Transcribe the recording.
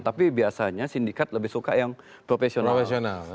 tapi biasanya sindikat lebih suka yang profesional